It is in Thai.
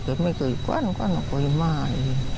เกิดไม่เคยกว้านก็ไม่เคยมาอีก